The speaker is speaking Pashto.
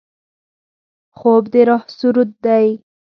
خوب د روح سرود دی